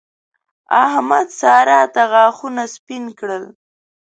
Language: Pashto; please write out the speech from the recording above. احمد؛ سارا ته غاښونه سپين کړل.